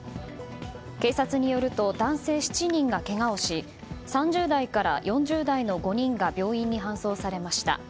警察によると男性７人がけがをし３０代から４０代の５人が病院に搬送されました。